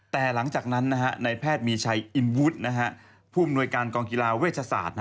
แต่หลังจากนั้นในแพทย์มีชัยอินวุฒิผู้อำนวยการกองกีฬาเวชศาสตร์